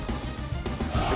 aku akan mengundurmu